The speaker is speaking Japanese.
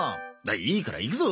いいからいくぞ！